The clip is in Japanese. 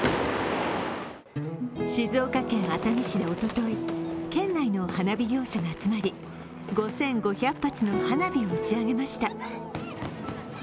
静岡県熱海市でおととい県内の花火業者が集まり５５００発の花火を打ち上げました。